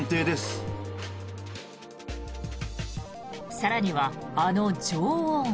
更には、あの女王も。